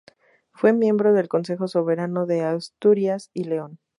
Fue miembro del Consejo soberano de Asturias y León.